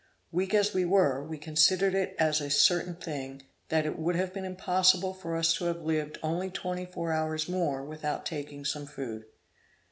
Weak as we were, we considered it as a certain thing, that it would have been impossible for us to have lived only twenty four hours more without taking some food.